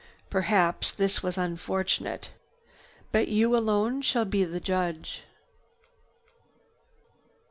Perhaps this was unfortunate. But you alone shall be the judge.